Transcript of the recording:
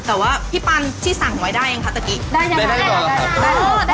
แต่ว่าพี่ปานที่สั่งไว้ได้ไงคะ